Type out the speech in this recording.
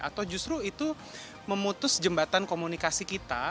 atau justru itu memutus jembatan komunikasi kita